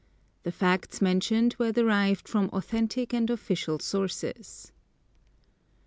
The facts mentioned were derived from authentic and official sources.